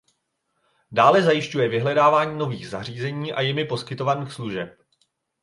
Dále zajišťuje vyhledávání nových zařízení a jimi poskytovaných služeb.